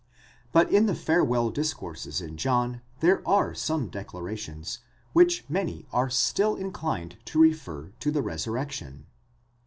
But in the farewell discourses in John there are some declarations, which many are still inclined to refer to the resurrection.